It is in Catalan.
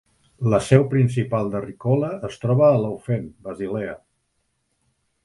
La seu principal de Ricola es troba a Laufen, Basilea.